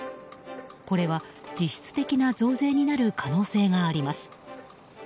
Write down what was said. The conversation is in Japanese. これは実質的な増税になる可能性があります。